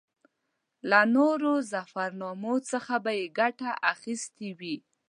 له نورو ظفرنامو څخه به یې ګټه اخیستې وي.